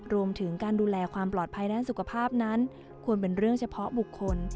รวมถึงการดูแลความปลอดภัยด้านสุขภาพนั้นควรเป็นเรื่องเฉพาะบุคคล